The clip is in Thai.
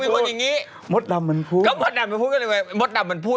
ก็มดดำมันพูด